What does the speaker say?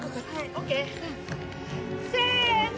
ＯＫ？せの。